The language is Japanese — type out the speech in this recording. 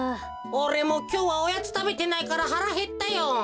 おれもきょうはおやつたべてないからはらへったよ。